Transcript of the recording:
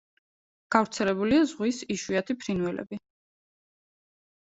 გავრცელებულია ზღვის იშვიათი ფრინველები.